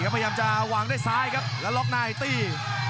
พยายามจะวางด้วยซ้ายครับแล้วล็อกในตี